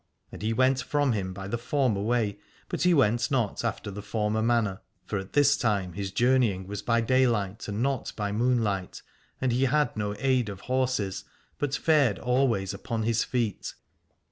And he went from him by the former way, but he went not after the former manner: for at this time his journeying was by dayhght and not by moonlight, and he had no aid of horses but fared always upon his feet.